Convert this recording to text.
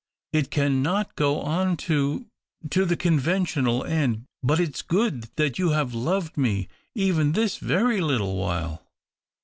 It cannot go on to — to the conventional end, but it's good that you have loved me even this very little while."